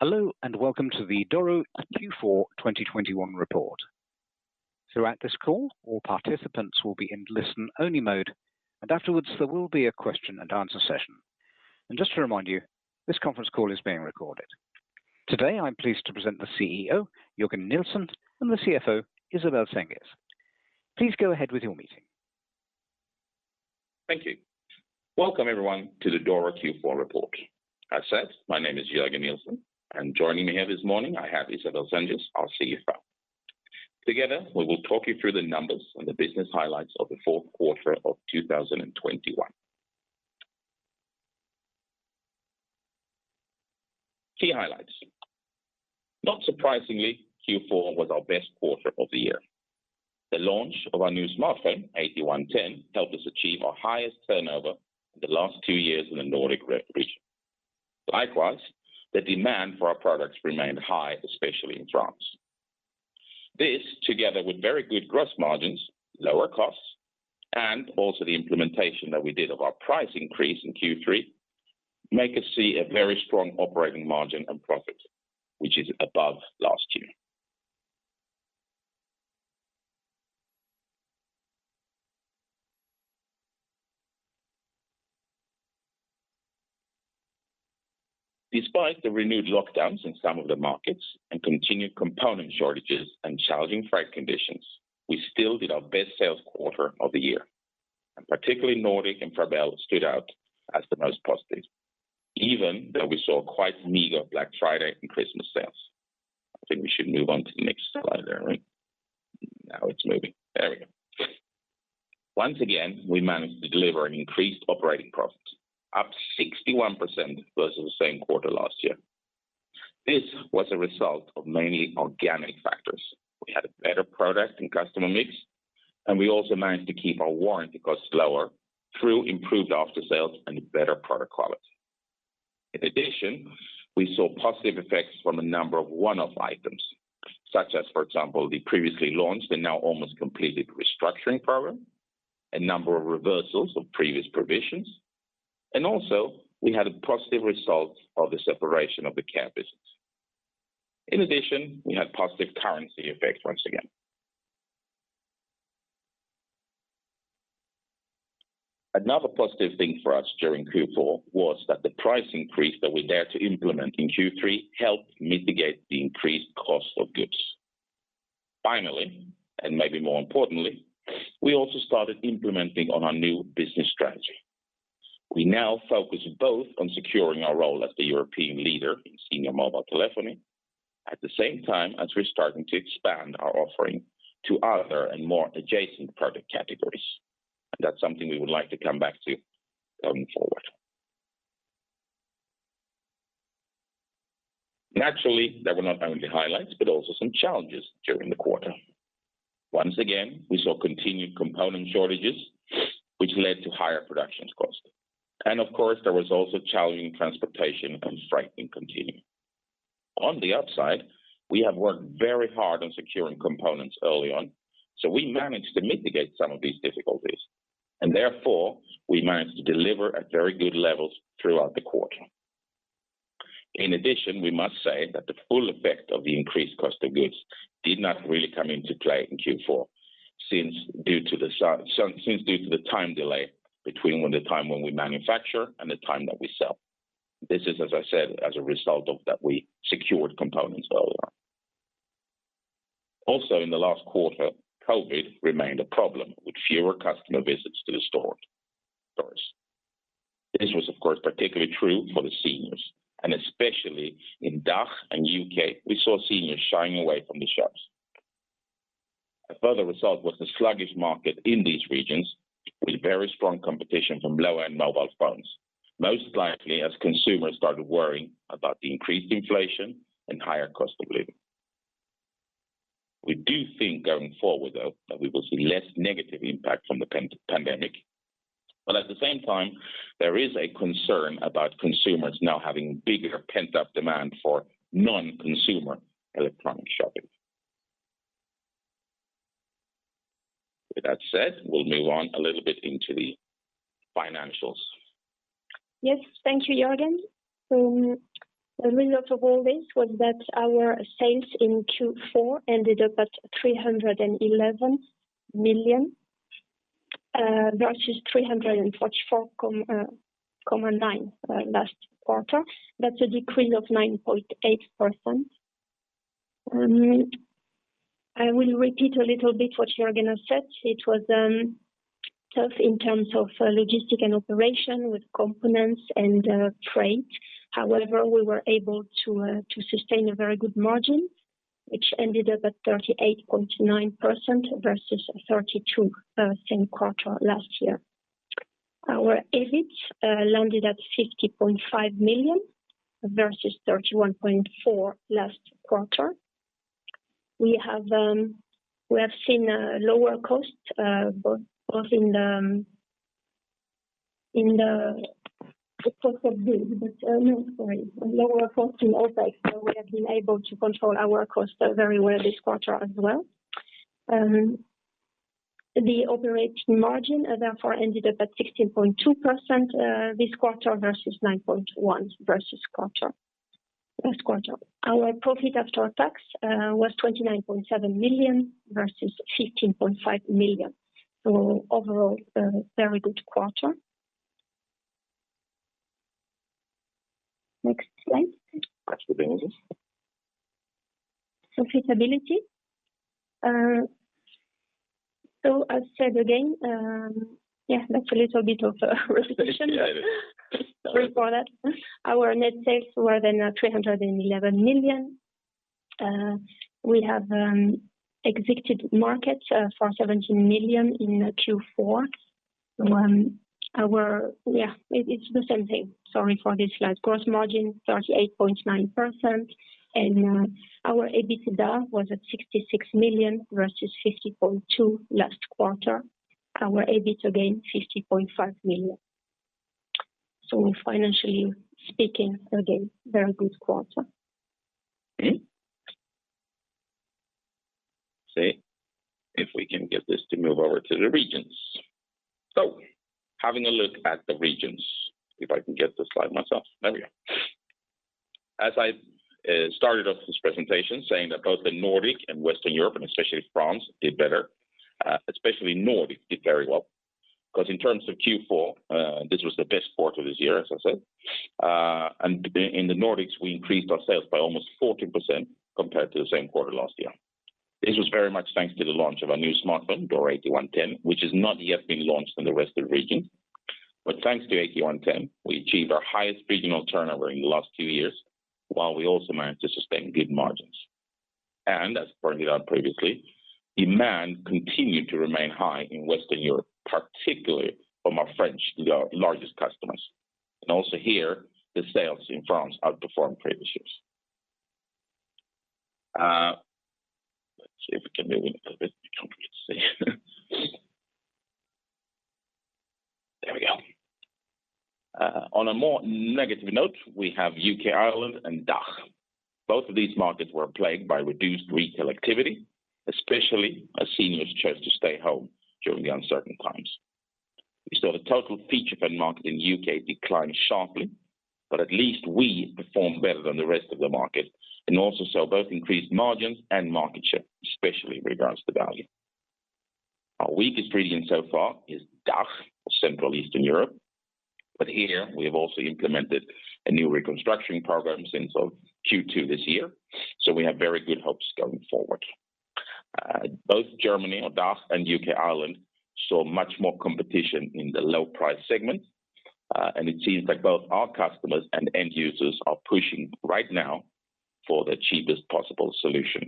Hello and welcome to the Doro Q4 2021 report. Throughout this call, all participants will be in listen-only mode, and afterwards there will be a question and answer session. Just to remind you, this conference call is being recorded. Today, I'm pleased to present the CEO, Jörgen Nilsson, and the CFO, Isabelle Sengès. Please go ahead with your meeting. Thank you. Welcome everyone to the Doro Q4 report. As said, my name is Jörgen Nilsson. Joining me here this morning, I have Isabelle Sengès, our CFO. Together, we will talk you through the numbers and the business highlights of the Q4 of 2021. Key highlights, not surprisingly, Q4 was our best quarter of the year. The launch of our new smartphone, 8110, helped us achieve our highest turnover in the last 2 years in the Nordic region. Likewise, the demand for our products remained high, especially in France. This, together with very good gross margins, lower costs, and also the implementation that we did of our price increase in Q3, make us see a very strong operating margin and profit, which is above last year. Despite the renewed lockdowns in some of the markets and continued component shortages and challenging freight conditions, we still did our best sales quarter of the year particularly Nordic and Frabel stood out as the most positive. Even though we saw quite meager Black Friday and Christmas sales. I think we should move on to the next slide there. Now it's moving, there we go. Once again, we managed to deliver an increased operating profit, up 61% versus the same quarter last year. This was a result of many organic factors. We had a better product and customer mix, and we also managed to keep our warranty costs lower through improved after-sales and better product quality. In addition, we saw positive effects from a number of one-off items, such as, for example, the previously launched and now almost completed restructuring program, a number of reversals of previous provisions, and also we had a positive result of the separation of the care business. In addition, we had positive currency effects once again. Another positive thing for us during Q4 was that the price increase that we dared to implement in Q3 helped mitigate the increased cost of goods. Finally, and maybe more importantly, we also started implementing on our new business strategy. We now focus both on securing our role as the European leader in senior mobile telephony at the same time as we're starting to expand our offering to other and more adjacent product categories. That's something we would like to come back to going forward. Naturally, there were not only highlights but also some challenges during the quarter. Once again, we saw continued component shortages which led to higher production costs. Of course, there was also challenging transportation and freight continuing. On the upside, we have worked very hard on securing components early on, so we managed to mitigate some of these difficulties. Therefore, we managed to deliver at very good levels throughout the quarter. In addition, we must say that the full effect of the increased cost of goods did not really come into play in Q4 since due to the time delay between the time when we manufacture and the time that we sell. This is, as I said, as a result of that we secured components early on. Also in the last quarter, COVID remained a problem with fewer customer visits to the stores. This was of course particularly true for the seniors, and especially in DACH and U.K., we saw seniors shying away from the shops. A further result was the sluggish market in these regions with very strong competition from lower-end mobile phones, most likely as consumers started worrying about the increased inflation and higher cost of living. We do think going forward, though, that we will see less negative impact from the pandemic. At the same time, there is a concern about consumers now having bigger pent-up demand for non-consumer electronics shopping. With that said, we'll move on a little bit into the financials. Yes. Thank you, Jörgen. The result of all this was that our sales in Q4 ended up at 311 million versus 344.9 million last quarter. That's a decrease of 9.8%. I will repeat a little bit what Jörgen has said. It was tough in terms of logistics and operations with components and freight. However, we were able to sustain a very good margin, which ended up at 38.9% versus 32% same quarter last year. Our EBIT landed at 60.5 million versus 31.4 million last quarter. We have seen lower costs both in the cost of goods, but no, sorry. Lower cost in OpEx, so we have been able to control our costs very well this quarter as well. The operating margin therefore ended up at 16.2%, this quarter versus 9.1% last quarter. Our profit after tax was 29.7 million versus 15.5 million. Overall, a very good quarter. Next slide. Actually bring this. Profitability. As said again, yeah, that's a little bit of repetition. Yeah. Sorry for that. Our net sales were then at 311 million. We have exited markets for 17 million in Q4. Yeah, it's the same thing, sorry for this slide. Gross margin 38.9%. Our EBITDA was at 66 million versus 50.2 million last quarter. Our EBIT, again, 50.5 million. Financially speaking, again, very good quarter. Okay. See if we can get this to move over to the regions. Having a look at the regions, if I can get this slide myself. There we go. As I started off this presentation saying that both the Nordics and Western Europe, and especially France, did better, especially Nordics did very well because in terms of Q4, this was the best quarter this year, as I said. In the Nordics, we increased our sales by almost 40% compared to the same quarter last year. This was very much thanks to the launch of our new smartphone, Doro 8110, which has not yet been launched in the rest of the region. Thanks to 8110, we achieved our highest regional turnover in the last 2 years, while we also managed to sustain good margins. As pointed out previously, demand continued to remain high in Western Europe, particularly from our French largest customers. Also here, the sales in France outperformed previous years. On a more negative note, we have U.K., Ireland, and DACH. Both of these markets were plagued by reduced retail activity, especially as seniors chose to stay home during the uncertain times. We saw the total feature phone market in U.K. decline sharply, but at least we performed better than the rest of the market and also saw both increased margins and market share, especially in regards to value. Our weakest region so far is DACH or Central Eastern Europe. Here we have also implemented a new reconstruction program since Q2 this year, so we have very good hopes going forward. Both Germany or DACH and UK, Ireland, saw much more competition in the low price segment. It seems that both our customers and end users are pushing right now for the cheapest possible solution.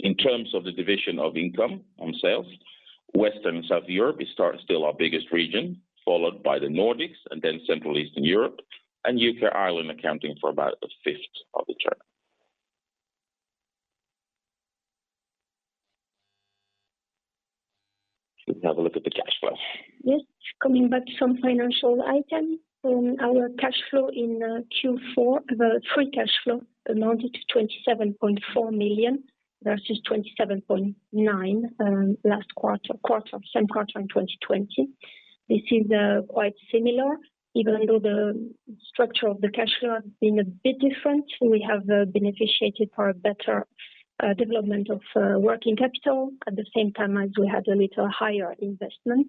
In terms of the division of income on sales, Western South Europe is still our biggest region, followed by the Nordics and then Central Eastern Europe, and UK, Ireland accounting for about a 5th of the turnover. Let's have a look at the cash flow. Yes. Coming back to some financial item. Our cash flow in Q4, the free cash flow amounted to 27.4 million, versus 27.9 million, same quarter in 2020. This is quite similar, even though the structure of the cash flow has been a bit different. We have benefited from a better development of working capital at the same time as we had a little higher investment.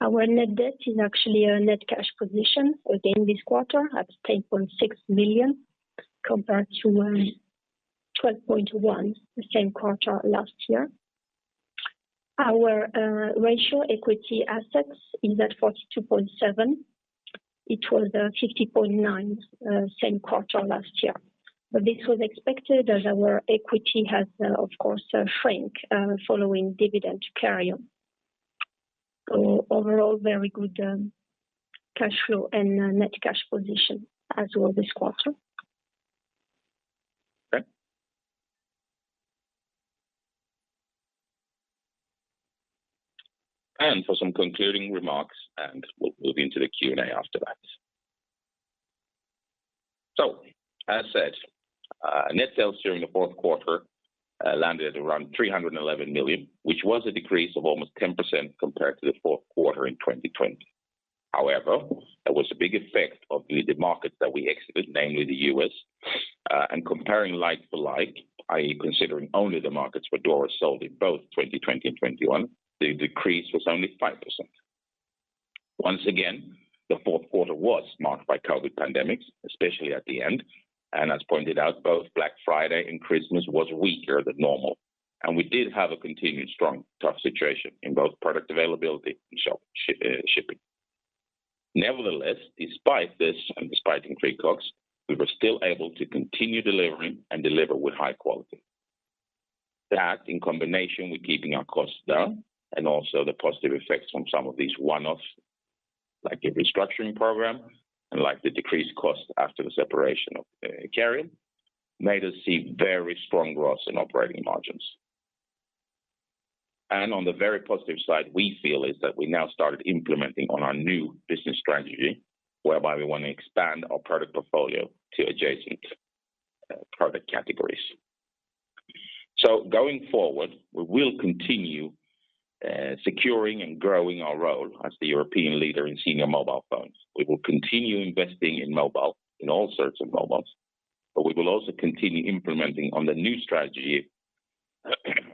Our net debt is actually a net cash position again this quarter at 8.6 million compared to 12.1 million the same quarter last year. Our equity assets ratio is at 42.7%. It was 50.9% same quarter last year. This was expected as our equity has, of course, shrunk following dividend to Careium. Overall very good cash flow and net cash position as well this quarter. Okay. For some concluding remarks, and we'll move into the Q&A after that. As said, net sales during the Q4 landed at around 311 million, which was a decrease of almost 10% compared to the Q4 in 2020. However, there was a big effect of the markets that we exited, namely the U.S. Comparing like-to-like, I considering only the markets where Doro sold in both 2020 and 2021, the decrease was only 5%. Once again, the fourth quarter was marked by COVID pandemic, especially at the end. As pointed out, both Black Friday and Christmas was weaker than normal. We did have a continued strong tough situation in both product availability and shipping. Nevertheless, despite this and despite increased costs, we were still able to continue delivering and deliver with high quality. That in combination with keeping our costs down and also the positive effects from some of these one-offs, the restructuring program and the decreased cost after the separation of Careium, made us see very strong growth in operating margins. On the very positive side, we feel is that we now started implementing on our new business strategy, whereby we want to expand our product portfolio to adjacent product categories. Going forward, we will continue securing and growing our role as the European leader in senior mobile phones. We will continue investing in mobile, in all sorts of mobiles, but we will also continue implementing on the new strategy,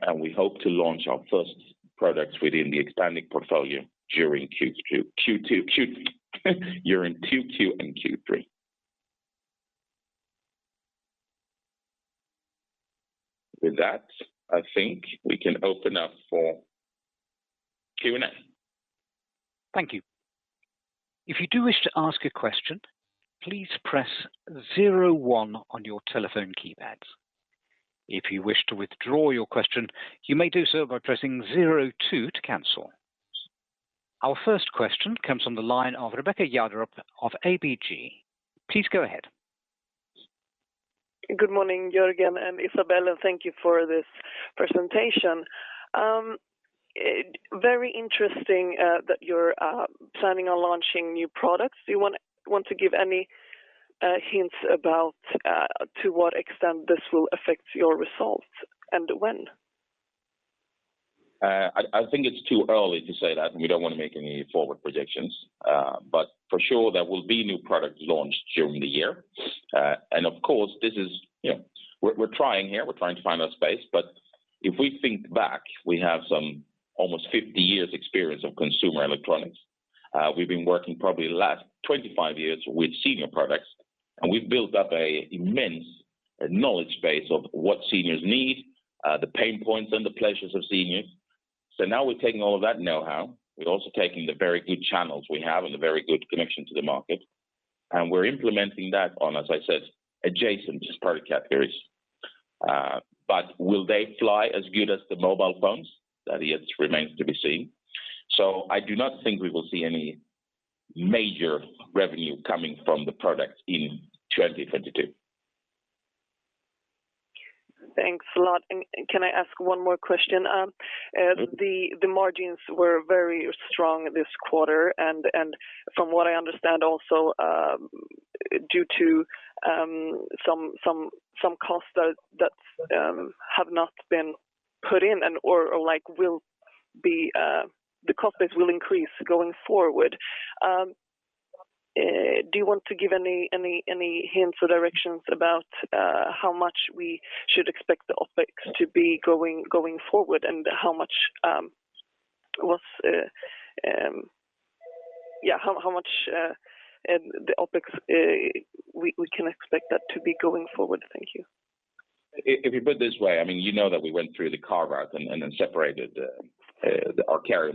and we hope to launch our first products within the expanding portfolio during Q2 and Q3. With that, I think we can open up for Q&A. Thank you. If you do wish to ask a question, please press zero, one on your telephone keypads. If you wish to withdraw your question, you may do so by pressing zero, two to cancel. Our first question comes on the line of Rebecca Jadrup of ABG. Please go ahead. Good morning, Jörgen and Isabelle, and thank you for this presentation. Very interesting that you're planning on launching new products. Do you want to give any hints about to what extent this will affect your results and when? I think it's too early to say that, and we don't want to make any forward predictions. For sure, there will be new products launched during the year. Of course, this is, we're trying here to find our space. If we think back, we have almost 50 years experience of consumer electronics. We've been working probably the last 25 years with senior products, and we've built up immense knowledge base of what seniors need, the pain points and the pleasures of seniors. Now we're taking all of that know-how. We're also taking the very good channels we have and a very good connection to the market, and we're implementing that on, as I said, adjacent product categories. Will they fly as good as the mobile phones? That remains to be seen. I do not think we will see any major revenue coming from the product in 2022. Thanks a lot. Can I ask one more question? Mm-hmm. The margins were very strong this quarter. From what I understand also due to some costs that have not been put in and, or, will be the cost base will increase going forward. Do you want to give any hints or directions about how much we should expect the OpEx to be going forward and how much and the OpEx we can expect that to be going forward? Thank you. If you put it this way, I mean, that we went through the carve-out and separated our Care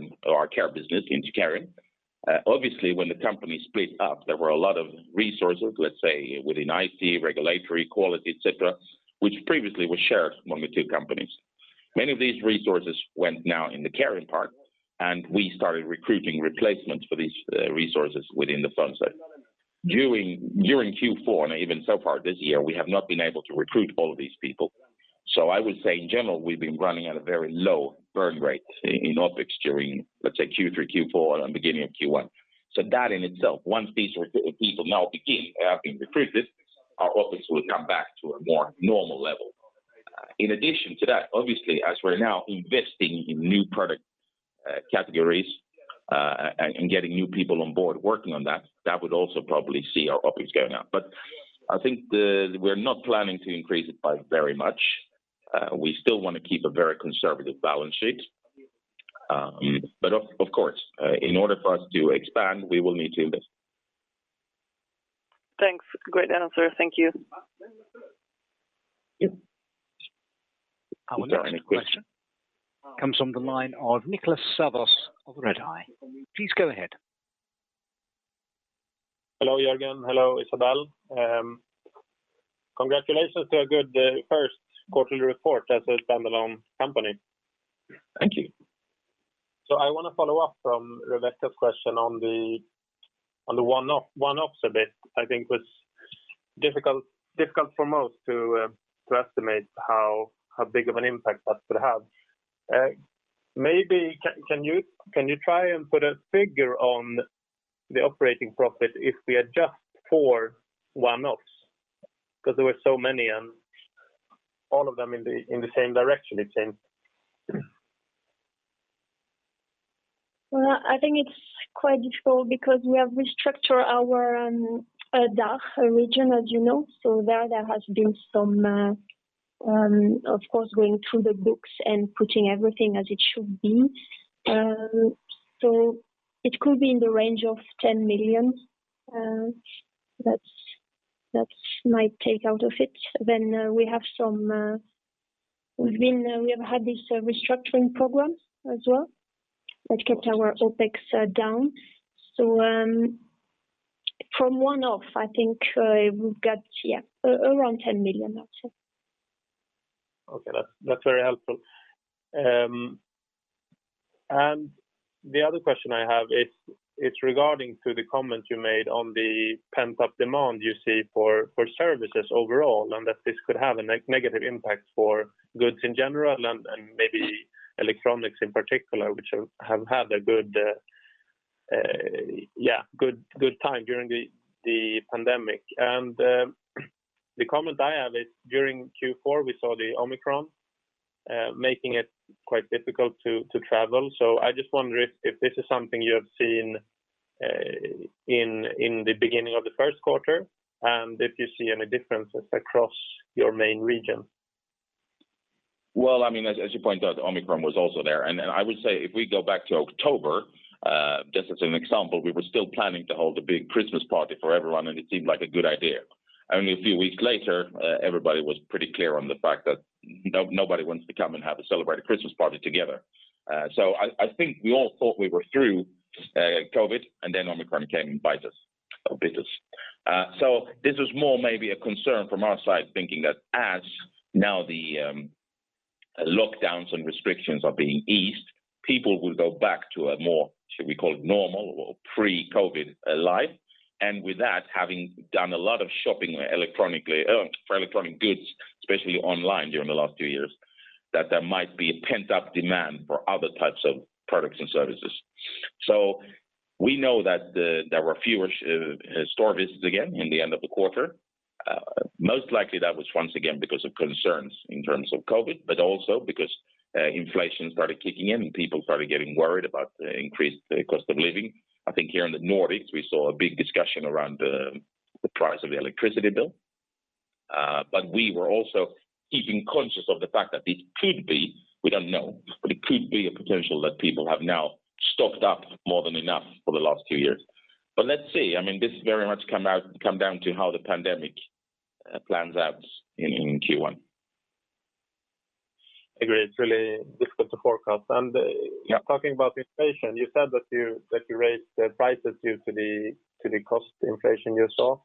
business into Careium. Obviously, when the company split up, there were a lot of resources, let's say, within IT, regulatory, quality, et cetera, which previously was shared among the two companies. Many of these resources went now in the Careium part, and we started recruiting replacements for these resources within the phone side. During Q4, and even so far this year, we have not been able to recruit all these people. I would say in general, we've been running at a very low burn rate in OpEx during, let's say, Q3, Q4, and beginning of Q1. That in itself, once these people have now begun to be recruited, our OpEx will come back to a more normal level. In addition to that, obviously, as we're now investing in new product categories and getting new people on board working on that would also probably see our OpEx going up. I think we're not planning to increase it by very much. We still want to keep a very conservative balance sheet. Of course, in order for us to expand, we will need to invest. Thanks. Great answer. Thank you. Yeah. Our next question comes from the line of Niklas Sävås of Redeye. Please go ahead. Hello, Jörgen. Hello, Isabelle. Congratulations to a good first quarterly report as a standalone company. Thank you. I wanna follow up from Rebecca's question on the one-offs a bit. I think it was difficult for most to estimate how big of an impact that could have. Maybe you can try and put a figure on the operating profit if we adjust for one-offs? Because there were so many and all of them in the same direction, it seems. Well, I think it's quite difficult because we have restructured our DACH region, as you know. There has been some, of course, going through the books and putting everything as it should be. It could be in the range of 10 million. That's my take out of it. We have had this restructuring program as well that kept our OpEx down. From one-off, I think we've got around 10 million actually. That's very helpful. The other question I have is it's regarding to the comment you made on the pent-up demand you see for services overall, and that this could have a negative impact for goods in general and maybe electronics in particular, which have had a good time during the pandemic. The comment I have is during Q4, we saw the Omicron making it quite difficult to travel. I just wonder if this is something you have seen in the beginning of the Q1, and if you see any differences across your main region. Well, I mean, as you pointed out, Omicron was also there. I would say if we go back to October, just as an example, we were still planning to hold a big Christmas party for everyone, and it seemed like a good idea. Only a few weeks later, everybody was pretty clear on the fact that nobody wants to come and have a celebrated Christmas party together. I think we all thought we were through COVID, and then Omicron came and bite us or bit us. This is more maybe a concern from our side, thinking that as now the lockdowns and restrictions are being eased, people will go back to a more, should we call it normal or pre-COVID, life. With that, having done a lot of shopping electronically, for electronic goods, especially online during the last 2 years, that there might be a pent-up demand for other types of products and services. We know that there were fewer store visits again in the end of the quarter. Most likely that was once again because of concerns in terms of COVID, but also because inflation started kicking in and people started getting worried about the increased cost of living. I think here in the Nordics, we saw a big discussion around the price of the electricity bill. We were also keeping conscious of the fact that it could be, we don't know, but it could be a potential that people have now stocked up more than enough for the last 2 years. Let's see. I mean, this very much come down to how the pandemic plans out in Q1. Agree. It's really difficult to forecast. Yeah. Talking about inflation, you said that you raised the prices due to the cost inflation you saw.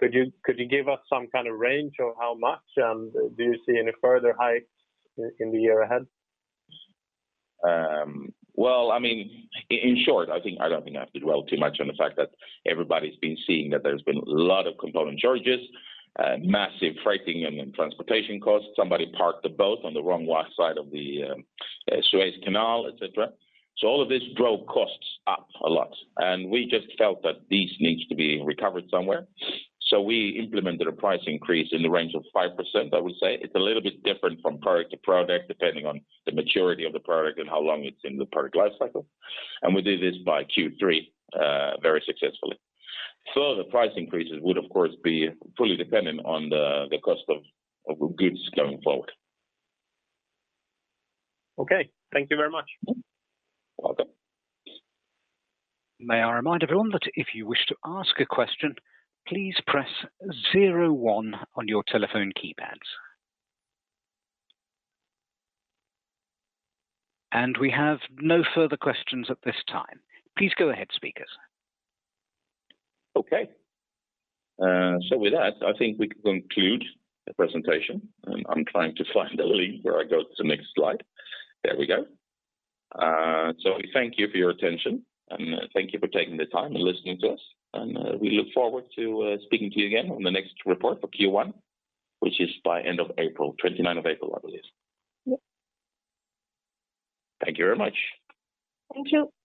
Could you give us some kind of range of how much? Do you see any further hikes in the year ahead? In short, I think I don't think I have to dwell too much on the fact that everybody's been seeing that there's been a lot of component shortages, massive freighting and transportation costs. Somebody parked a boat on the wrong side of the Suez Canal, et cetera. All of this drove costs up a lot, and we just felt that this needs to be recovered somewhere. We implemented a price increase in the range of 5%, I would say. It's a little bit different from product to product, depending on the maturity of the product and how long it's in the product life cycle. We did this by Q3 very successfully. Further price increases would, of course, be fully dependent on the cost of goods going forward. Okay. Thank you very much. Welcome. May I remind everyone that if you wish to ask a question, please press zero, one on your telephone keypads. And we have no further questions at this time. Please go ahead, speakers. Okay, with that, I think we could conclude the presentation. I'm trying to find a link where I go to the next slide. There we go. Thank you for your attention, and thank you for taking the time and listening to us. We look forward to speaking to you again on the next report for Q1, which is by end of April, 29 April, I believe. Yep. Thank you very much. Thank you.